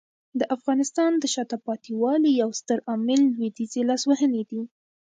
د افغانستان د شاته پاتې والي یو ستر عامل لویدیځي لاسوهنې دي.